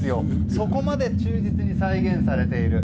そこまで忠実に再現されている。